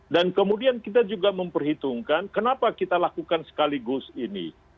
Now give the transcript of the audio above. dan kemudian kita juga memperhitungkan kenapa kita lakukan sekaligus ini